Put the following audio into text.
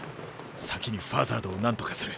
先にファザードをなんとかする。